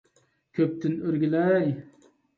«كۆپ»تىن ئۆرگىلەي!